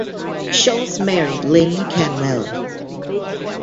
Schulz married Lynne Canwell.